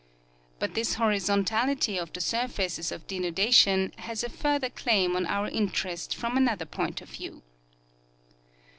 But this horizon tality of the surfaces of denudation has a further claim on our interest from another point of view.